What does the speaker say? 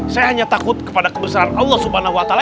saya hanya takut kepada kebesaran allah subhanahu wa ta'ala